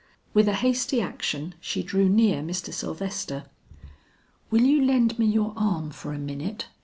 With a hasty action she drew near Mr. Sylvester. "Will you lend me your arm for a minute?"